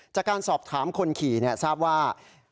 จากการสอบถามคนขี่ทราบว่า